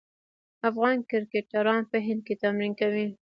افغان کرکټران په هند کې تمرین کوي.